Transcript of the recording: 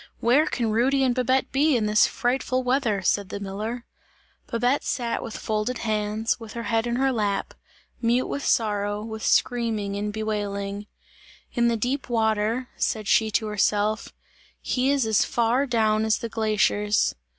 "Where can Rudy and Babette be in this frightful weather!" said the miller. Babette sat with folded hands, with her head in her lap, mute with sorrow, with screaming and bewailing. "In the deep water," said she to herself, "he is as far down as the glaciers!"